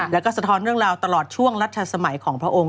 แล้วก็สะท้อนเรื่องราวตลอดช่วงรัชสมัยของพระองค์